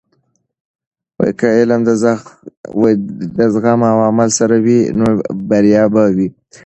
که علم د زغم او عمل سره وي، نو بریا به وي.